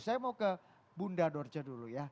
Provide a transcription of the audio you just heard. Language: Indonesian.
saya mau ke bunda dorce dulu ya